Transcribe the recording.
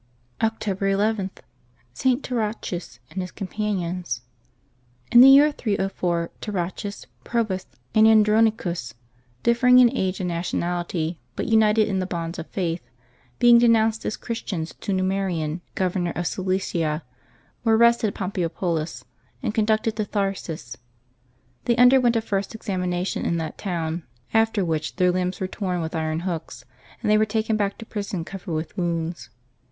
October ii.— ST. TARACHUS and his Companions. XN the year 304, Tarachus, Probus, and Andronicus, differing in age and nationality,, but united in the bonds of faith, being denounced as Christians to Numerian, Governor of Cilicia, were arrested at Pompeiopolis, and conducted to Tharsis. They underwent a first examina tion in that town, after which their limbs were torn with iron hooks, and they were taken back to prison covered with wounds.